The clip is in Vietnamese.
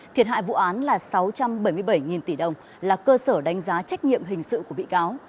thiệt hại vụ án là sáu trăm bảy mươi bảy tỷ đồng là cơ sở đánh giá trách nhiệm hình sự của bị cáo